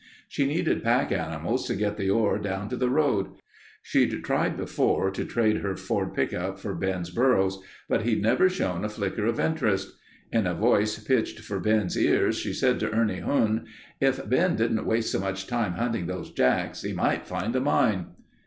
She needed pack animals to get the ore down to the road. She'd tried before, to trade her Ford pickup for Ben's burros, but he'd never shown a flicker of interest. In a voice pitched for Ben's ears, she said to Ernie Huhn: "If Ben didn't waste so much time hunting those jacks, he might find a mine."